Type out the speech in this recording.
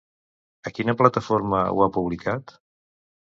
A quina plataforma ho ha publicat?